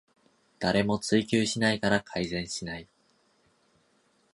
誰も追及しないから改善しない